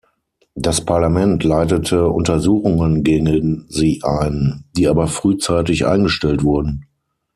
Das Parlament leitete Untersuchungen gegen sie ein, die aber frühzeitig eingestellt wurden.